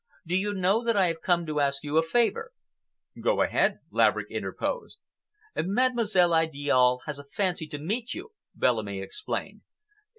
Do you know that I have come to ask you a favor?" "Go ahead," Laverick interposed. "Mademoiselle Idiale has a fancy to meet you," Bellamy explained.